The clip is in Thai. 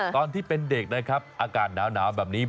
ตอนที่เป็นเด็กนะครับอากาศหนาวแบบนี้